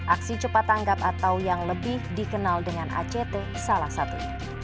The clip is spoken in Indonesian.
aksi cepat tanggap atau yang lebih dikenal dengan act salah satu